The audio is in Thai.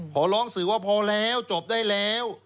ขอร้องสื่อว่าพอแล้วจบได้แล้ว